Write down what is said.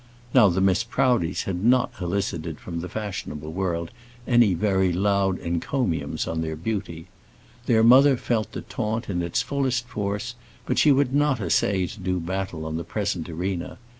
Now the Miss Proudies had not elicited from the fashionable world any very loud encomiums on their beauty. Their mother felt the taunt in its fullest force, but she would not essay to do battle on the present arena.